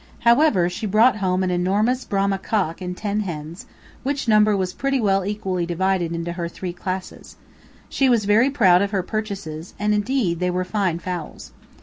However, she brought home an enormous Brahma cock and ten hens, which number was pretty equally divided into her three classes. She was very proud of her purchases, and indeed they were fine fowls.